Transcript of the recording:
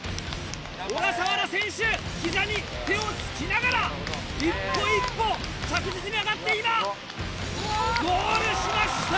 小笠原選手、ひざに手をつきながら、一歩一歩、着実に上がって今、ゴールしました。